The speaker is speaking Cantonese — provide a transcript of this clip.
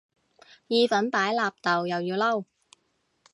意粉擺納豆又要嬲